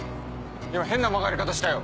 今変な曲がり方したよ。